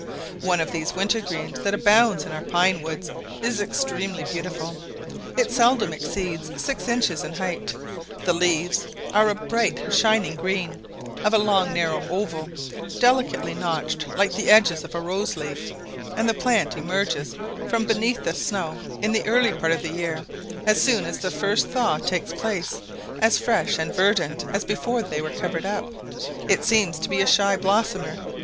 One of these winter greens that abounds in our pine woods is extremely beautiful; it seldom exceeds six inches in height; the leaves are a bright shining green, of a long narrow oval, delicately notched like the edges of a rose leaf; and the plant emerges from beneath the snow in the early part of the year, as soon as the first thaw takes place, as fresh and verdant as before they were covered up: it seems to be a shy blossomer.